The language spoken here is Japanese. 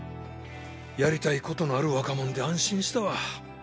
やりたいことのある若者で安心したわ。